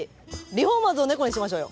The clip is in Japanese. リフォーマーズのネコにしましょうよ！